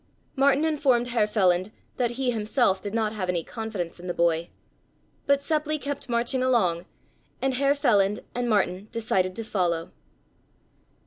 Martin informed Herr Feland that he himself did not have any confidence in the boy. But Seppli kept marching along, and Herr Feland and Martin decided to follow.